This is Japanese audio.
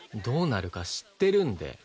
どうなるか知ってるんで。